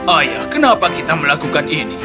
ayah kenapa kita melakukan ini